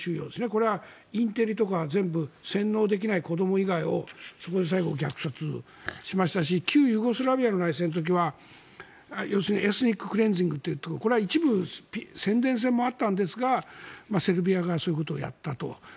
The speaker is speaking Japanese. これはインテリとか全部洗脳できない子ども以外をそこで最後虐殺しましたし旧ユーゴスラビアの内戦の時には要するにエスニッククレンジング一部、宣伝戦もあったんですがセルビアがそういうことをやったと。